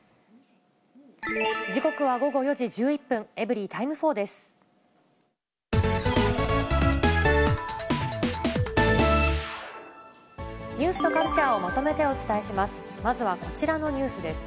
時刻は午後４時１１分、エブリィタイム４です。